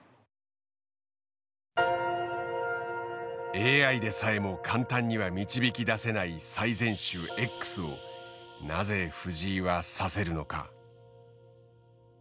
ＡＩでさえも簡単には導き出せない最善手Ｘをなぜ藤井は指せるのか。